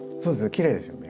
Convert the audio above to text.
きれいですよね。